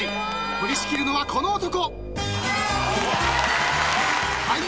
取り仕切るのはこの男。